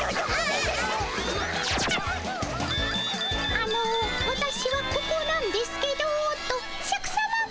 「あのワタシはここなんですけど」とシャクさまが。